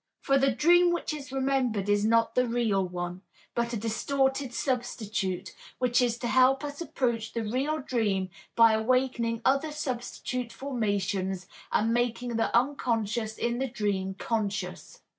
For the dream which is remembered is not the real one, but a distorted substitute, which is to help us approach the real dream by awakening other substitute formations and by making the unconscious in the dream conscious.